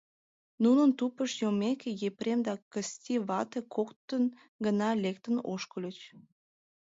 Нунын тупышт йоммеке, Епрем ден Кысти вате коктын гына лектын ошкыльыч.